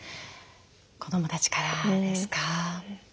子どもたちからですか？